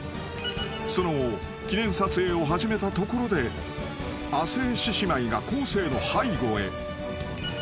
［その後記念撮影を始めたところで亜生獅子舞が昴生の背後へ］